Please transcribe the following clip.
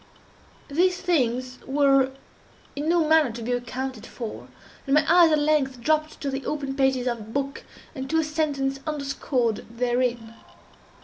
These things were in no manner to be accounted for, and my eyes at length dropped to the open pages of a book, and to a sentence underscored therein.